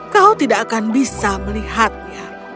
kau tidak akan bisa melihatnya